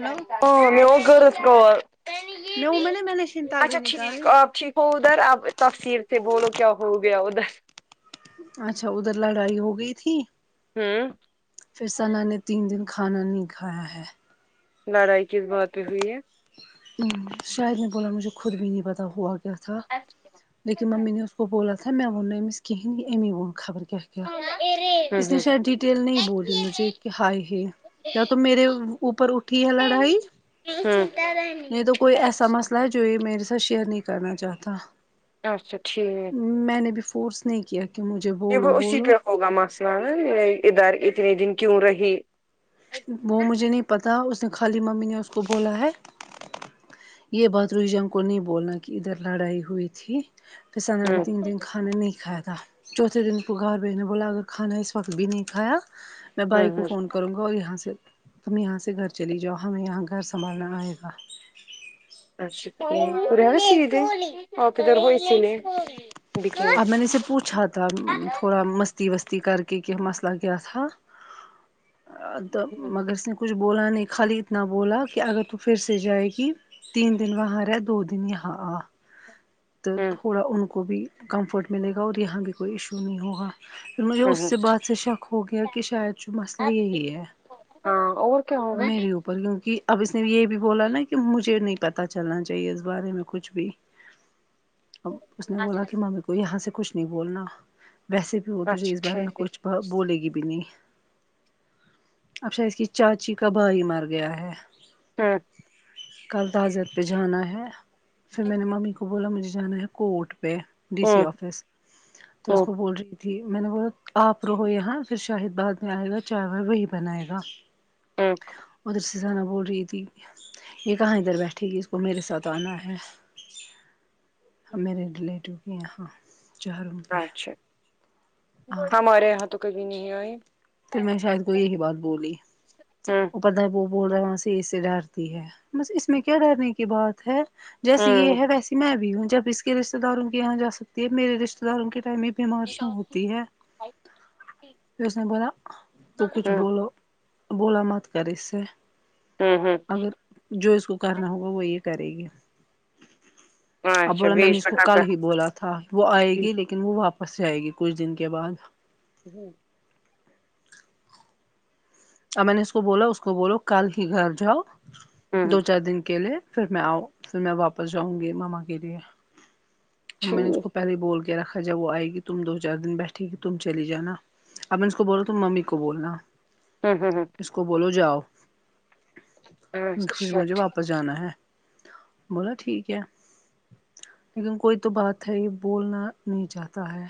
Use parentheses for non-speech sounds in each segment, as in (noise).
hello ہاں م میں ا رض کال میں وہ میں نے میں نے شنتا گئی اچھا نکالے ٹھیک آپ ٹھیک ہو ادھر اب تفسیر سے بولو کیا ہو گیا ادھر اچھا ادھر لڑائی ہو گئی تھی ہوں پھر سنا نے تین دن کھانا نہیں کھایا ہے لڑائی کس بات پہ ہوئی ہے ہ شاید نے بولا مجھے خود بھی نہیں پتا ہوا کیا تھا اچھا لیکن مممی نے اس کو بولا تھا م میں وون ن نہ نہیںم ک کہیین امی وون خبر کیا کیا اس نے شاید ڈیٹیل نہیں بولی مجھے کہ ہائے ہی کیا تو میرے اوپر اٹھی ہے لڑائی ہوں نہیں تو کوئی ایسا مسئلہ ہے جو یہ میرے ساتھ شیئر نہیں کرنا چاہتا اچھا ٹھیک میں نے بھیھی فورس نہیں کیا کہ مجھے یہ وه بولو اسی بولو پ ہوگا مسئلہ ن ادھر اتنے دن کیوں رہی وہ مجھے نہیں پتا اس نے خالی ممی نے اس کو بولا ہے یہ بات رو جام کو نہیں بولنا کہ ادھر لڑائی ہوئی تھی پھر سنا نے ہوں تین دن کھ کھانہ نہیں کاائے تھا چوتھے دن پ گھر بیجنے بلا ا کھا اس وت بھی نہیں کایا میں ہوں بھائی کو ہوں فون کروں گا اور یہاں سے تم یہاں سے گھر چلی جاؤ ہمیں یہاں گھر سنبھالنا آئے گا اچھا اپ ادھر ھو اسلئے اب میں نے اس سے پوچھا تھا تھوڑا مستی وستی کر کے کی مسئلہ کیا تھا تو ہوں مگر کچھ بولا نہیں خالی اتنا بولا کہ اگر تو پھر سے جائے گی تین دن وہاہر ہے دو دن ہی ہاں تو تھوڑا ان کو بھی کمفرٹ ملے گا اور یہاں بھی کوئی ایشو نہیں ہوگا پھر مجھے اس ہوں سے بات سے شک ہو گیا کہ شاید جو مسئلہ یہی ہے ہاں اور کیا ہوگا میرے اوپر کیوںکہ اب اس نے یہ بھی بولا نا کہ مجھے نہیں پتا چلنا چاہیے اس بارے میں کچھ بھی اب اس نے بولا ک ممے کو یہاں سے کچھ نہیں بولنا ویسے بھی ہو توجھے اچھا اس بارے میں ٹھیک کچھ بولے گی بھی نہیں اب شا اس کی چاچی کا بھائی مر گیا ہے ہاں کل تضت پہ جانا ہے پھر میں نے ممی کو بولا مجھے جانا ہے کوٹ پہ ڈی سی ہوں آفس تو اس ہوں کو بول رہی ت میں نے بولا آپ رہو یہاں پھر شاہد بعد میں آئے گا چائے وہی بنائے گا ہ ادھر سے زانا بول رہی تھی یہ کہاں ادھر بیٹھے گی اس کو میرے ساتھ آنا ہے میرے ریلیٹیو کے یہاں چاروں پہ اچھا ہاں ہمارے یہاں تو کبھی نہیں آئے پھر میں شاید کوئی یہی بات بولی ہاں وہ پدا وہ بول رہا وہاں سے اسے ڈرتی ہے بس اس میں کیا ڈرنے کی بات ہے جیسی ہوں یہ ہے ویسی میں بھی ہوں جب اس کے رشتے داروں کے یہاں جا سکتی ہے میرے رشتے داروں کے ٹائم بیمار کیوں ہوتی ہے پھر اس نے بولا تم کچھ ہوں بولو بولا مت کر اس سے ھم ھم اگر جو اس کو کرنا ہوگا وہ یہ کرے گی اب اچھا بولا میں نے بیچ اس کو کب کل کا ہی بولا تھا وہ آئے ہوں گی لیکن وہ واپس جائے گی کچھ دن کے بعد جی اور میں نے اس کو بولا اس کو بولو کل ہی گھر جاؤ ہوں دو چار دن کے لیے پھر میں آؤں پھر میں واپس جاؤں گی ماما کے لیے میں نے اس ٹھیک کو پہلے بول کے رکھا جب وہ آئے گی تم دو چار دن بیٹھے گ تم چلی جانا اب اس کو بول رہو تم ممی کو بولنا ہوں ہ ہاں (unintelligible) اس کو بولو جاؤ اچھا مجھےپ پ جانا ہے بولا ٹھیک ہے لیکن کوئی تو بات ہے یہ بولنا نہیں چاہتا ہے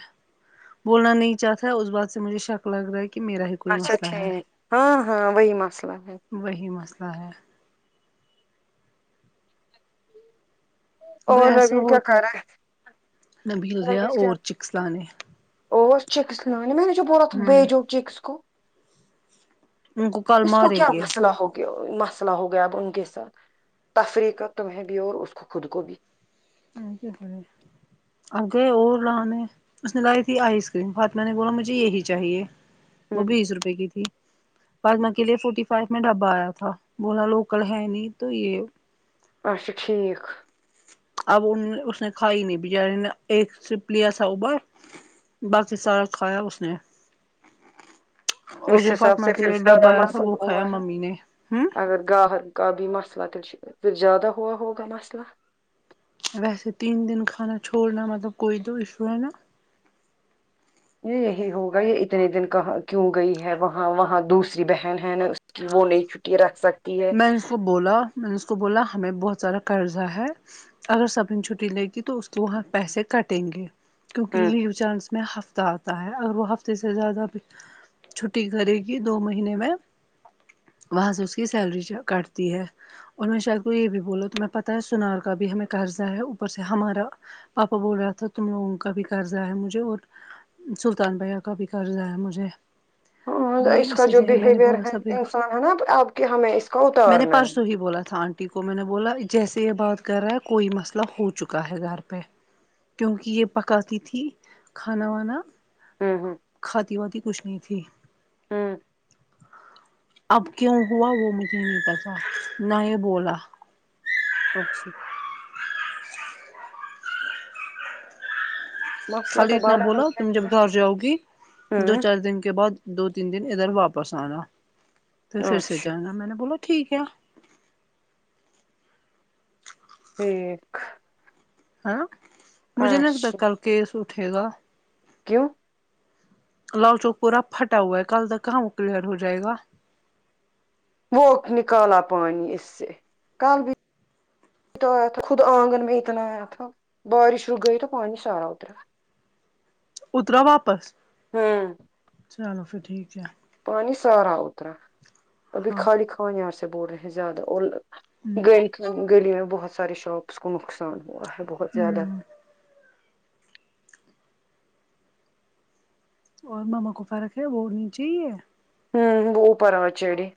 بولنا نہیں چاہتا اس بات سے مجھے شک لگ رہا ہے کہ میرا کوئی اچھا مسئلہ ہے ٹھیک ہاں ہاں وہی مسئلہ ہے وہی مسئلہ ہے اور گیسا لگے کیا ہوتا کر رہا نبل ہے گیا لگے کیا اور چکس لانے اور چکس لانے میں نے جو بولا تھا ہوں بیجو چکس کو ان کل اس کو ماریں کیا گے مسئلہ ہوگا مسئلہ ہو گیا اب ان کے ساتھ تفریح کا تمہیں بھی اور اس کو خود کو بھی کیا خ اگے اور لانے اس نے کہا کی آئس کریم فاطمہ نے بولا مجھے یہی چاہیے وہ ہوں بیس روپے کی تھی فاطمہ کے لیے فورٹی فائیو میں ڈبا آیا تھا بولا لوکل ہے نہیں تو یہ اچھا ٹھیک اب ان اس نے کھائی نہیں بریانی ایک سپ لیا تھا اوبا باقی سارا کھایا اس نے (inaudible) اور اس جو حساب فاطمہ سے کے پھر لیے ڈبہ زیادہ آیا تھا مسند وہ کھایا ہوا ہے ممی نے ہوں اگر گاہر کاب بھی مسئلہ تو پھر زیادہ ہوا ہوگا نا مسئلہ ویسے تین دن کھانا چھوڑنا مطلب کوئی تو ایشو ہے نا یہ یہی ہوگا یہ اتنے دن کہاں کیوں گئی ہے وہاں وہاں دوسری بہن ہے نا کہ وہ نہیں چھٹی رکھ سکتے میں نے اس کو بولا میں نے اس کو بولا ہمیں بہت سارا قرضہ ہے اگر سبھی چھٹی لے گی تو اس کے وہاں پیسے کٹیں گے کیونکہ لیو چانس میں ہفتہ آتا ہے اگر وہ ہفتے سے زیادہ بھی چھٹی کرے گی دو مہینے میں وہاں سے اس کی سیلری کٹتی ہے اور میں شاید کو یہ بھی بولا تمہیں پتہ ہے سنار کا بھی ہمیں قرضہ ہے اوپر سے ہمارا پاپا بول رہا تھا تم لوگوں کا بھی قرضہ ہے مجھے اور سلطان بھیا کا بھی کرضیا مجھے ہاں ہم اس کا اسی جو لیے میں نے بہیویئر بولا ہے سبھی انسان ہے نا اب کے ہمیں اس کا اتر میں نے پرسوں ہی بولا تھا آٹی ٹی کو میں نے بولا جیسے یہ بات کر رہا ہے کوئی مسئلہ ہو چکا ہے گھر پہ کیونکہ یہ پکاتی تھی کھانا وانا ہم ہم کھاتی واتی کچھ نہیں تھی ہم اب کیوں ہوا وہ مجھے نہیں پتا نہ ہی بولا اچھا مسئلہ خالی تو اتنا بڑا بولو تم جب گھر جاؤ گی دو ہاں چار دن کے بعد دو تین دن ادھر واپس آنا پھر پھر سے اچھا جانا میں نے بولا ٹھیک ہے ٹھیک ہاں مجھے نہیں لگتا اچھا کل کیس اٹھے گا کیوں لوچاک پورا پھٹا ہوا ہے کل تک کہاں وہ کلیئر ہو جائے گا وہ نکالا پانی اس سے کل بھی بتایا تھا خود آنگن میں اتنا آیا تھا بارش رک گئی تو پانی سارا اترا اترا واپس ہوں چلو پھر ٹھیک ہے پانی سارا اترا ابھی ہاں خالی کان یہاں سے بول رہے ہیں زیادہ اور ہ گ گلی میں بہت سارے شاپس کو نقصان ہوا ہے بہت زیادہ ہ اور ماما کو فرق ہے وہ نیچے ہی ہے ہوں بہت پرواہ چڑی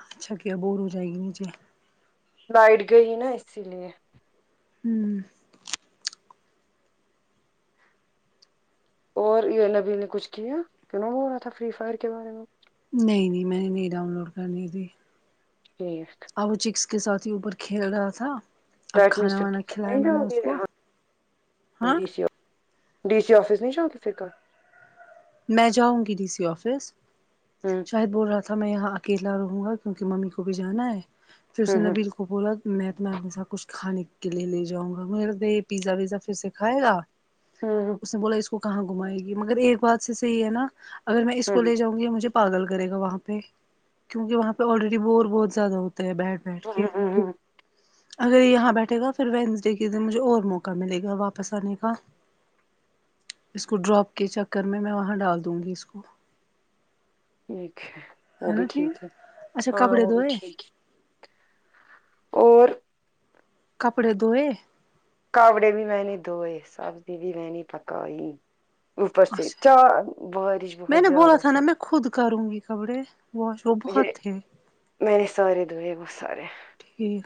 اچھا کیا بور ہو جائے گی نیچے لائٹ گئی نا اسی لیے ہمم اور یے نبی نے کچھ کیا کیوں نہ وہ ہو رہا تھا فری فائر کے بارے میں نہیں نہیں میں نہیں ڈاؤن لوڈ کرنی تھی ٹھیک او چکس کے ساتھ ہی اوپر کھیل رہا تھا اب کھانا وانا کھلایا میں نے اس کو ہاں (unintelligible) ڈی سی آفس نہیں جاو گی پھر کل میں جاؤں گی ڈی سی آفس ہمم شاید بول رہا تھا میں یہاں اکیلا رہوں گا کیونکی ممی کو بھی جانا ہے پھر اس ہوں نے ہوں بالکل وہ بولا میں اپنا اپنے ساتھ کچھ کھانے کے لیے لے جؤں گا مگر یے پیزا ویزا پھر سے کھائے گا ہوں اس نے بولا اس کو کہاں گھمائے گی مگر ایک بات سے صحیح ہے نا اگر میں اس کو ہوں لے جاو گی مجھے پاگل کرے گا وہاں پہ کیونکہ وہاں پے آلریڈی بور بہت زیادہ ہوتی تے ہے بیٹھ بیٹھ کے ہوں ہوں ہوں اگر یہاں بیٹھے گا پھر وینسڈے کے دن مجھے اور موقع ملے گا واپس آنے کا اس کو ڈراپ کے چکر میں میں وہاں ڈال دوں گی اس کو ٹھیک ہے وہ ہے بھی نا ٹھیک ہے اچھا ہاں کپڑے وہ بھی دھوئے ٹھیک ہے اور کپڑے دھوئے کپڑے بھی میں نے دھوئے سبزی بھی میں نے پکائی اوپر سے اچھا چار بارش میں بہت نے بولا زیادہ تھا نا میں خود کروں گی کپڑے واش وہ جی بہت تھے میں نے سارے دوئے بس سارے ٹھیک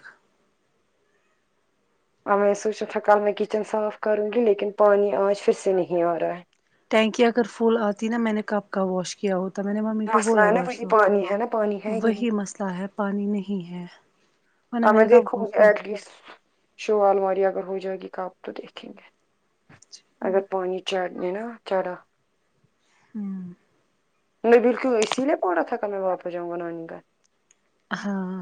میں سوچا تھا کل میں کچن صاف کروں گی لیکن پانی آج پھر سے نہیں آ رہا ہے ٹینکی اگر پھول آتی نا میں نے کب کا واش کیا ہوتا میں نے ممی کو مسئلہ بولا ہے نا وہی پرسو پانی ہے نا پانی ہے ہی وہی نہیں مسئلہ ہے پانی نہیں ہے ورنہ اب میں نے کب دیکھو کو گی اس کو ایٹ لسٹ شالماری اگر ہو جائے گی کپ تو دیکھیں گے اگر پانی چاڈ میں نہ چڑا ہمم میں بالکل اسی لیے پڑا تھا میں واپس جؤں گا نانی کن ہاں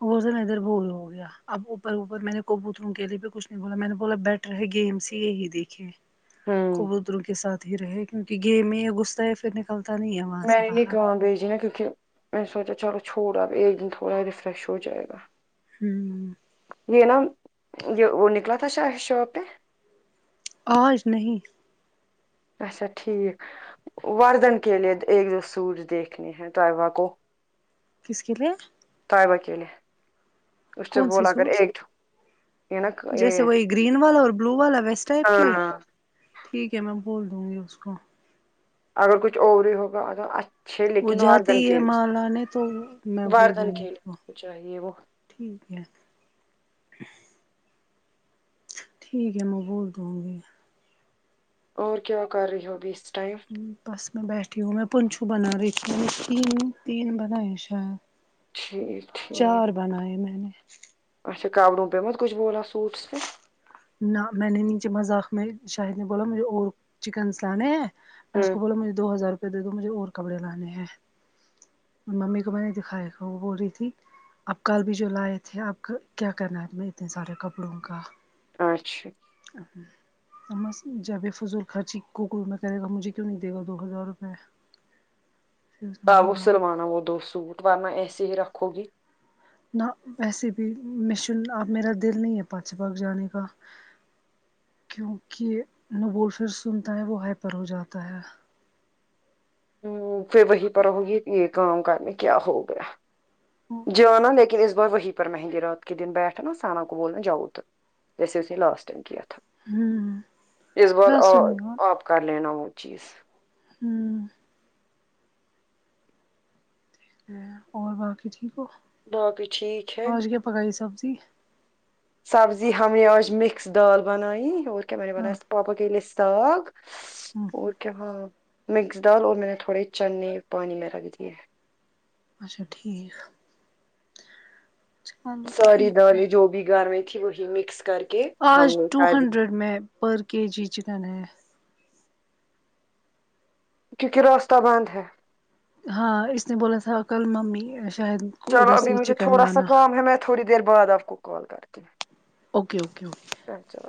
وہ ذرا ادھر بول ہو گیا اب اوپر اوپر میں نے کبوتروں کے لیے بھی کچھ نہیں بولا میں نے بولا بیٹر ہے گیم سے یہی دیکھے ہوں کبوتروں کے ساتھ ہی رہے کیونکی گیمز میں یے گھستا ہے پھر نکلتا نہیں ہے ہم میں نے نہیں گان بیھجنا کیونکی میں نے سوچا چلو چھوڑ آب ایک دن تھوڑا ریفریش ہو جائے گا ہمم یے نا یے وہ نکلا تھا شاہ شاپ پے آج نہیں اچھا ٹھیک وردن کے لیے ایک دو سورج دیکھنے ہے توائبہ کو کس کے لیے طائبہ کے لیے اس سے کون بول اگر سوٹس ایک یہ نا جیسے یہ وہی گرین والا اور بلو والا ویس ٹائپ کے ہاں ٹھیک ہے میں بول دوں گی اس کو اگر کچھ اور ہی ہوگا اگرچھ چھ وہ لیکن جاتے واردھن ہی کے ہے لیے مال آنے تو میں بول واردھن دوں گی کے لیے اس کو چاہیے وہ ٹھیک ہے ٹھیک ہے میں بول دوں گی اور کیا کر رہی ہو اب اس ٹائم بس میں بیٹھی ہوں میں پنچو بنا رہی تھی تین تین بنائی شاید ٹھیک ٹھیک چار بنائے میں نے اچا کوروں پی مت کچھ بولا سوٹس پ میں نہ میں نے نیچے مذاق میں شاہد نے بولا مجھے اور چکن س لانے ہے اس کو ہوں بولا مجھے دو ہزار روپئے دے دو مجھے اور کپڑے لانے ہیں ان ممی کو میں نے دکھایا تھا وہ بول رہی تھی اب کل بھی جو لائے تھے آپ کا کیا کرنا ہے میں اتنے سارے کپڑوں کا اچھا ا اس جب فضول خرچی کوکو میں کرے گا مجھے کیوں نہیں دے گا دو ہزار روپئے پھر اس نے آ وہ بولا سلوانا وہ دو سوٹ ورنہ ایسیے ہی رکھو گی نہ ویسے بھی میںشن اب میرا دل نہیں ہے پاچ پاغ جانے کا کیونکہ ن بول فر سنتا ہے وہ ہائپر ہو جاتا ہے پھر وہی پر ہوگی یہ کام کرنے کیا ہو گیا ہوں جانا لیکن اس بار وہیں پر مہنگی رات ات کے دن بیٹھ سان کو بول نے جاؤو تو جیسے اس ن لاسٹائم کیا تھا اس بار لاسٹ آ ٹائم ہوں آپ کر لینا وہ چیز ہوں ا اور باقی ٹھیک ہو باقی ٹھیک ہے آج کیا پکائی سبزی سبزی ہم نے آج مکس دال بنائیے اور کیا نے ہاں بس پاپک کےیل ساگ اور کیا ہاں مکس دال اور میں نے تھوڑے چنے پانی میں رکھ دیے اچھا ٹھیک چلو ساری ٹھیک ہے سوری جو بھی گھر میں تھی وہی مکس کر کے آج ہم نے ٹو کر دی ہنڈریڈ میں پر کے جی چکن ہے کیونکہ راستہ بند ہے ہاں اس نے بولا تھا کل ممی شاید کو چلو ادھر ابھی سے مجھے چکن تھوڑا سا لانا کام ہے میں تھوڑی دیر بعد آپ کو کال کرتی ہ اوکے اوک اوے اچھا